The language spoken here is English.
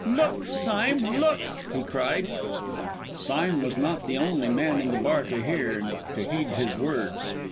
"Look, Sime! look!" he cried. Sime was not the only man in the bar to hear, and to heed his words.